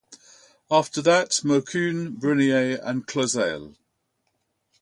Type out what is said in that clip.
After that Maucune, Brenier, and Clausel.